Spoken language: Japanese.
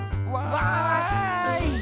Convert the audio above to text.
わい！